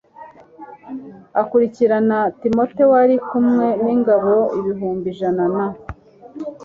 akurikirana timote wari kumwe n'ingabo ibihumbi ijana na